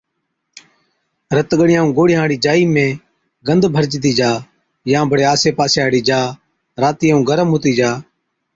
رت ڳڙِيان ائُون گوڙهِيان هاڙِي جائِي ۾ گند ڀرجتِي جا يان بڙي آسي پاسي هاڙِي جاءِ راتِي ائُون گرم هُتِي جا